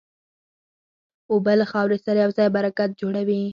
اوبه له خاورې سره یوځای برکت جوړوي.